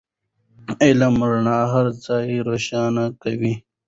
د علم رڼا هر ځای روښانه کوي.